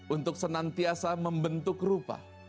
untuk senantiasa membentuk rupa